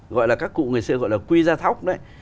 gọi là các cụ người xưa gọi là quy ra thóc đấy